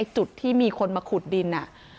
จุดที่มีคนมาขุดดิน